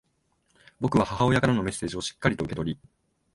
僕は母親からのメッセージをしっかりと受け取り、